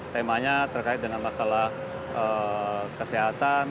temanya terkait dengan masalah kesehatan